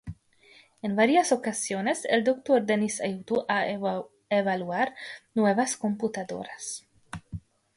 En varias ocasiones, el doctor Dennis ayudó a evaluar nuevas computadoras.